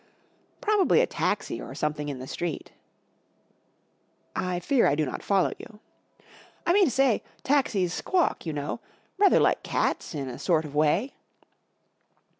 " Probably a taxi or something in the street." 4 I fear 1 do not follow you." 4 1 mean to say, taxis squawk, you know. Rather like cats in a sort of way."